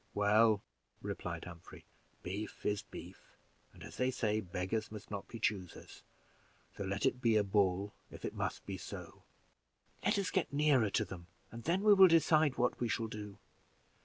"Well," replied Humphrey, "beef is beef; and, as they say, beggars must not be choosers, so let it be a bull if it must be so." "Let us get nearer to them, and then we will decide what we shall do.